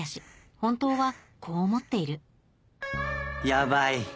本当はこう思っているヤバい